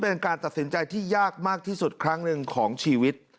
เป็นการตัดสินใจที่ยากมากที่สุดครั้งหนึ่งของชีวิต